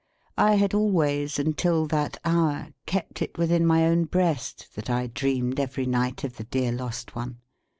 I had always, until that hour, kept it within my own breast that I dreamed every night of the dear lost one.